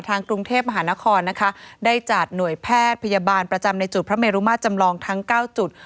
กรุงเทพมหานครนะคะได้จัดหน่วยแพทย์พยาบาลประจำในจุดพระเมรุมาตรจำลองทั้ง๙จุด